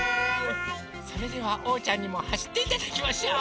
それではおうちゃんにもはしっていただきましょう！